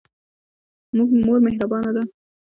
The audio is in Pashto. مور مهربانه ده.